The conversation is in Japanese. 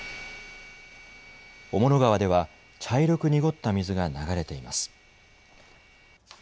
雄物川では茶色く濁った水が流れています。